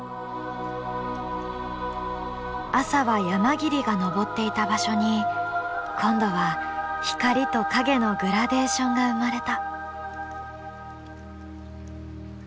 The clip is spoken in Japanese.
朝は山霧が昇っていた場所に今度は光と影のグラデーションが生まれた。